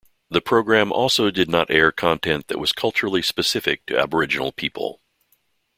The program also did not air content that was culturally specific to aboriginal people.